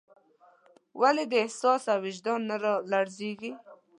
ولې دې احساس او وجدان نه رالړزېږي.